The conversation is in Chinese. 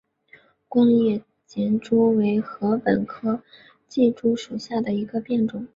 光叶箬竹为禾本科箬竹属下的一个变种。